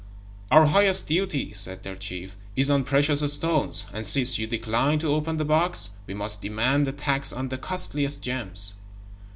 "Our highest duty," said their chief, "is on precious stones, and since you decline to open the box, we must demand the tax on the costliest gems."